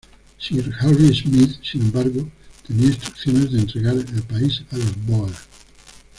Sir Harry Smith, sin embargo, tenía instrucciones de entregar el país a los bóer.